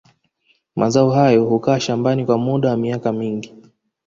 Mazao hayo hukaa shambani kwa muda wa miaka mingi